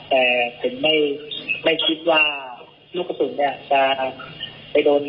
แต่ผมไม่ไม่คิดว่าลูกสุนเนี้ยจะไปโดนชิพลิง